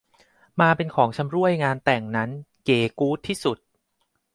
มาเป็นของชำร่วยงานแต่งนั้นเก๋กู้ดที่สุด